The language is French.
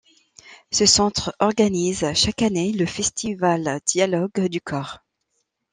Ce centre organise chaque année le Festival Dialogues du corps.